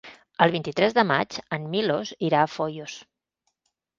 El vint-i-tres de maig en Milos irà a Foios.